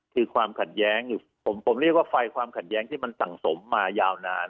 คือความขัดแย้งผมเรียกว่าไฟความขัดแย้งที่มันสั่งสมมายาวนาน